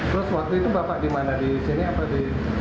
terus waktu itu bapak di mana di sini apa di